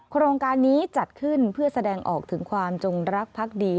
โครงการนี้จัดขึ้นเพื่อแสดงออกถึงความจงรักพักดี